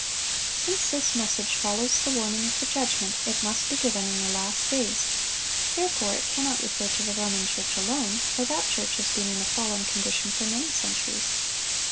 Since this message follows the warning of the judgment, it must be given in the last days; therefore it cannot refer to the Roman Church alone, for that church has been in a fallen condition for many centuries.